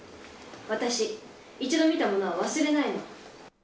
私、一度見たものは忘れないの。